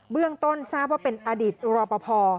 เรื่องต้นทราบว่าเป็นอดีตรอปภ